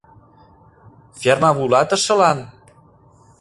Ферма вуйлатышылан?